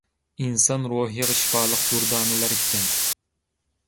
ئىنسان روھىغا شىپالىق دۇردانىلەر ئىكەن.